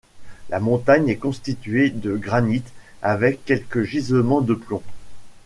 La montagne est constituée de granite, avec quelques gisements de plomb.